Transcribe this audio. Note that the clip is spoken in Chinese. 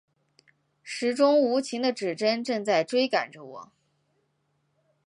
时钟无情的指针正在追赶着我